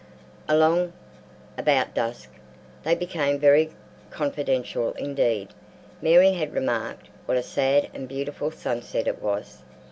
Along, about dusk, they became very confidential indeed—Mary had remarked what a sad and beautiful sunset it was.